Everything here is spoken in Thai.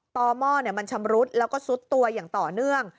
หม้อมันชำรุดแล้วก็ซุดตัวอย่างต่อเนื่อง